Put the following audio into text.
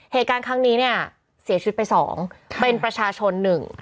เหตุการณ์ครั้งนี้เนี่ยเสียชีวิตไปสองเป็นประชาชนหนึ่ง